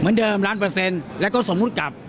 เดิมล้านเปอร์เซ็นต์แล้วก็สมมุติกลับ